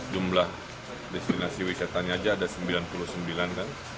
jumlah destinasi wisatanya aja ada sembilan puluh sembilan kan